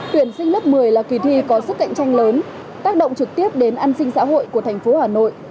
tuyển sinh lớp một mươi là kỳ thi có sức cạnh tranh lớn tác động trực tiếp đến an sinh xã hội của thành phố hà nội